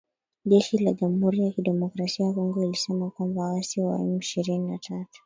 jeshi la jamuhuri ya kidemokrasai ya Kongo lilisema kwamba ,waasi wa M ishirni na tatu